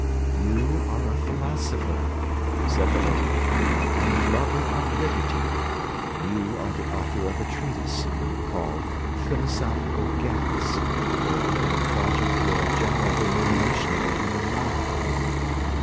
'You are a philosopher,' said the lady, 'and a lover of liberty. You are the author of a treatise, called "Philosophical Gas; or, a Project for a General Illumination of the Human Mind."'